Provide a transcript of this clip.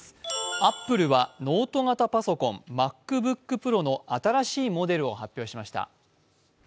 アップルはノート型パソコンＭａｃＢｏｏｋＰｒｏの新しいモデルを発表しました。